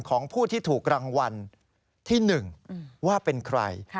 ของผู้ที่ถูกรางวัลที่๑ว่าเป็นใคร